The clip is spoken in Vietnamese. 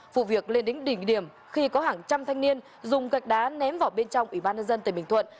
vụ việc lên đến đỉnh điểm khi có hàng trăm thanh niên dùng gạch đá ném vào bên trong ubnd tỉnh bình thuận